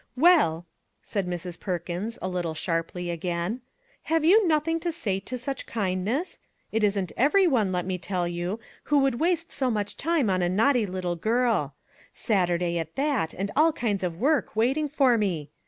" Well," said Mrs. Perkins, a trifle sharply again, " have you nothing to say to such kind ness? It isn't every one, let me tell you, who would waste so much time on a naughty little girl; Saturday at that, and all kinds of work waiting for me.